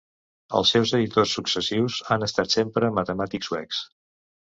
Els seus editors successius han estat sempre matemàtics suecs.